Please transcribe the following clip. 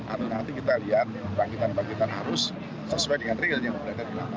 atau nanti kita lihat bangkitan bangkitan arus sesuai dengan realnya berada di nama